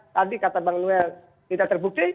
tadi kata bang noel tidak terbukti